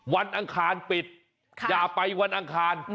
อังคารปิดอย่าไปวันอังคาร